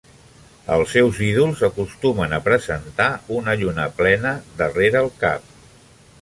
Els seus ídols acostumen a presentar una lluna plena darrere el cap.